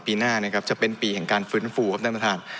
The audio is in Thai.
ปีหน้านะครับจะเป็นปีแห่งการฟื้นฟูครับท่านประธาน